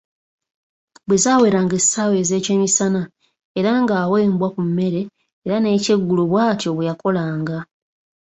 Bwe zaaweranga essaawa ez'ekyemisana era ng'awa embwa ku mmere era n'ekyeggulo bw'atyo bweyakolanga.